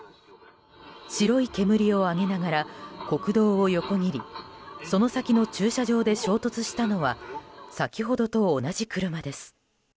白い煙を上げながら国道を横切りその先の駐車場で衝突したのは先ほどと同じ車です。